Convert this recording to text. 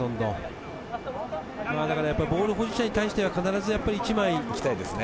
だからボール保持者に対して必ず１枚行きたいですね。